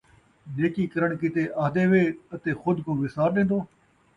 نیکی کرݨ کِیتے اَہدے وے اَتے خود کوں وِسار ݙیندو،